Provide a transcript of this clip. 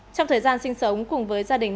trong thời gian sinh sống cùng với gia đình